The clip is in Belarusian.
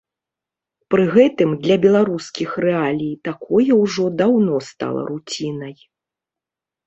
Пры гэтым для беларускіх рэалій такое ўжо даўно стала руцінай.